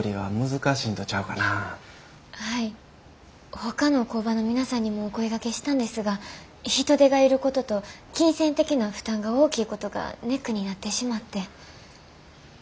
ほかの工場の皆さんにもお声がけしたんですが人手が要ることと金銭的な負担が大きいことがネックになってしまって。